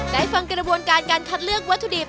ได้ฟังกระบวนการการคัดเลือกวัตถุดิบ